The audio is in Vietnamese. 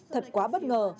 thật quá bất ngờ